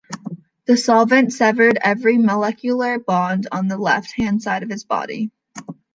The solvent severed every molecular bond on the left hand side of his body.